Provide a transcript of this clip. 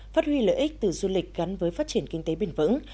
phát huy lợi ích từ du lịch gắn với phát triển kinh tế bền vững